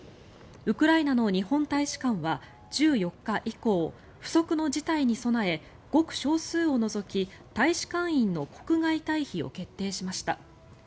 ウクライナの日本大使館は１４日以降不測の事態に備えごく少数を除き大使館員の国外退避を決定しました。